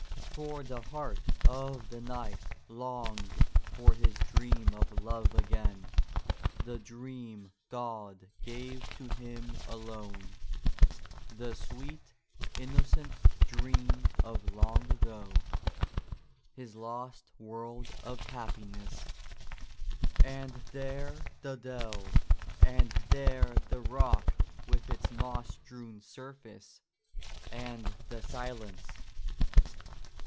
For the heart of the knight longed for his dream of love again, the dream God gave to him alone, the sweet, innocent dream of long ago — his lost world of happiness ! And there the dell, and there the rock with its moss strewn surface, and the silence!